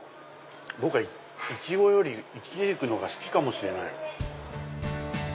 僕はイチゴよりイチジクが好きかもしれない。